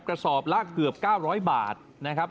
กระสอบละเกือบ๙๐๐บาทนะครับ